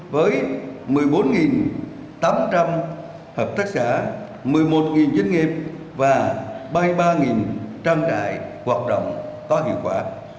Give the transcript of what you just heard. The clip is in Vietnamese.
với một mươi bốn tám trăm linh hợp tác xã một mươi một doanh nghiệp và ba mươi ba trang trại hoạt động có hiệu quả